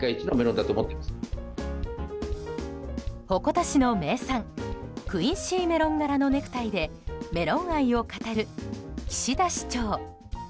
鉾田市の名産クインシーメロン柄のネクタイでメロン愛を語る岸田市長。